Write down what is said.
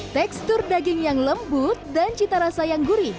tekstur daging yang lembut dan cita rasa yang gurih